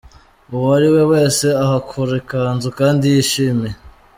Uwo ariwe wese ahakura ikanzu kandi yishimiye.